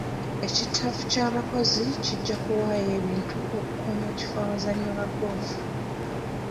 Ekittavvu ky'abakozi kijja kuwaayo ebintu okukuuma ekifo awazannyirwa goofu.